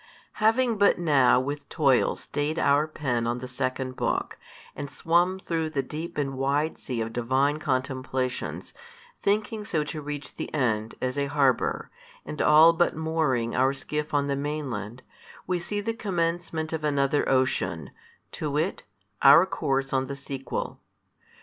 Having but now with toil stayed our pen on the second book, and swum through the deep and wide sea of Divine contemplations, thinking so to reach the end, as a harbour, and all but mooring our skiff on the mainland, we see the commencement of another ocean, to wit; our course on the sequel.